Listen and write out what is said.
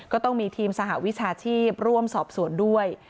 ก็ต้องมีทีมสหวิชาชีพร่วมสอบสวนด้วย